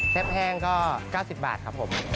แห้งก็๙๐บาทครับผม